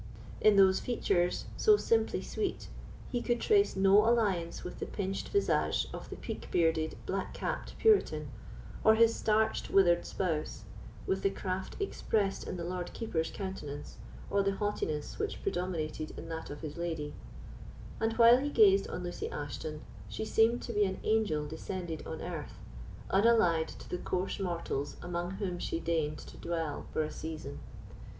In those features, so simply sweet, he could trace no alliance with the pinched visage of the peak bearded, black capped Puritan, or his starched, withered spouse, with the craft expressed in the Lord Keeper's countenance, or the haughtiness which predominated in that of his lady; and, while he gazed on Lucy Ashton, she seemed to be an angel descended on earth, unallied to the coarser mortals among whom she deigned to dwell for a season.